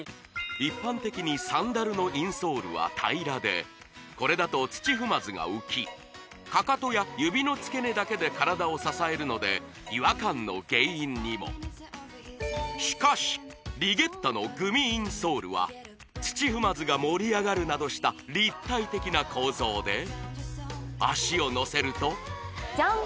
一般的にサンダルのインソールは平らでこれだと土踏まずが浮きかかとや指の付け根だけで体を支えるので違和感の原因にもしかしリゲッタのグミインソールは土踏まずが盛り上がるなどした立体的な構造で足をのせるとジャン！